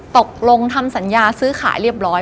ตกลงทำสัญญาซื้อขายเรียบร้อย